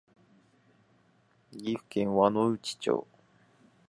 岐阜県輪之内町